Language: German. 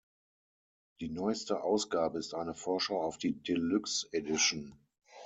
Die neueste Ausgabe ist eine Vorschau auf die Deluxe Edition.